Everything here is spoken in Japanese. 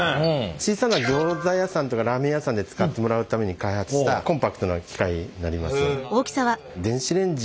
小さなギョーザ屋さんとかラーメン屋さんで使ってもらうために開発したコンパクトな機械になります。